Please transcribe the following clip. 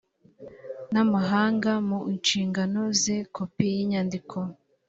n amahanga mu nshingano ze kopi y inyandiko